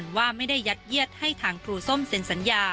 ว่าไม่ได้ยัดเยียดให้ทางครูส้มเซ็นสัญญา